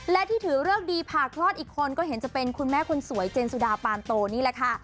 และที่ถือเลิกดีผ่าคลอดอีกคนก็เห็นจะเป็นคุณแม่คนสวยเจนสุดาปานโตนี่แหละค่ะ